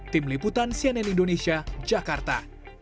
tim liputan cnn indonesia jakarta